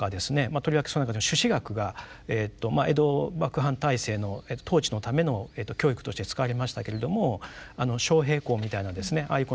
とりわけその中でも朱子学が江戸幕藩体制の統治のための教育として使われましたけれども昌平黌みたいなですねああいう